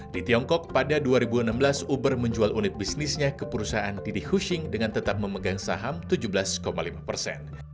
di tiongkok pada dua ribu enam belas uber menjual unit bisnisnya ke perusahaan didi hushing dengan tetap memegang saham tujuh belas lima persen